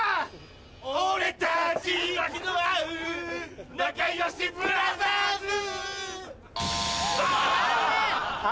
俺たち気の合う仲良しブラザーズあ！